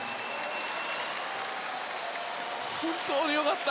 本当に良かった。